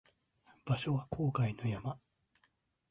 場所は郊外の山